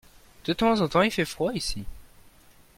De temps en temps il fait froid ici.